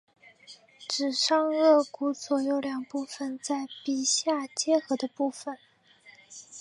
指上腭骨左右两部份在鼻下接合的部份。